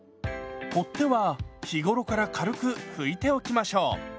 取っ手は日頃から軽く拭いておきましょう。